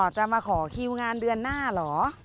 จะมาขอคิวงานเดือนหน้าเหรอ